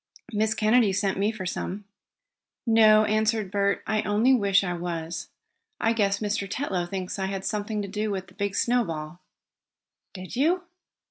"Miss Kennedy sent me for some." "No," answered Bert. "I only wish I was. I guess Mr. Tetlow thinks I had something to do with the big snowball." "Did you?"